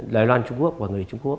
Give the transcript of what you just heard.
đài loan trung quốc và người trung quốc